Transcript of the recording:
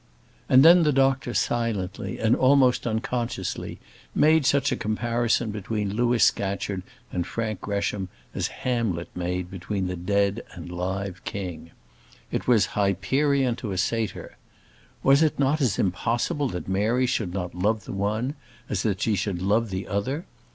And then the doctor silently, and almost unconsciously, made such a comparison between Louis Scatcherd and Frank Gresham as Hamlet made between the dead and live king. It was Hyperion to a satyr. Was it not as impossible that Mary should not love the one, as that she should love the other?